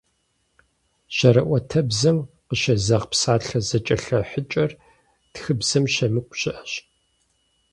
Жьэрыӏуэтэбзэм къыщезэгъ псалъэ зэкӏэлъыхьыкӏэр тхыбзэм щемыкӏу щыӏэщ.